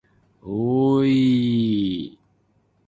おおおいいいいいい